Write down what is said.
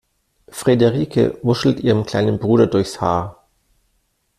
Frederike wuschelt ihrem kleinen Bruder durchs Haar.